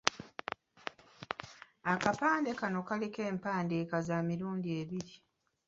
Akapande kano kaliko empandiika za mirundi ebiri.